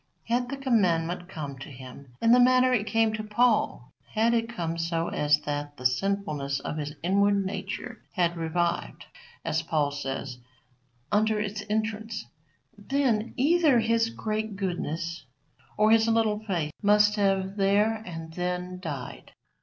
Had the commandment come to him in the manner it came to Paul; had it come so as that the sinfulness of his inward nature had revived, as Paul says, under its entrance; then, either his great goodness or his little faith must have there and then died.